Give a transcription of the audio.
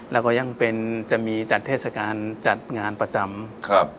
แล้วก็ยังเป็นจะมีจัดเทศกาลจัดงานประจำครับ